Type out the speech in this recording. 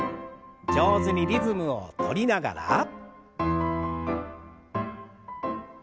上手にリズムをとりながら。